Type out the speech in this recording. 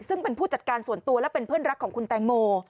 ซึ่งเป็นผู้จัดการส่วนตัวและเป็นเพื่อนรักของคุณแตงโม